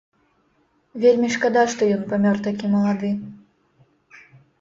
Вельмі шкада, што ён памёр такі малады.